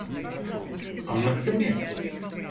Anlattım ya.